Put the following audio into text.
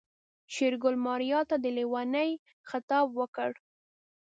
شېرګل ماريا ته د ليونۍ خطاب وکړ.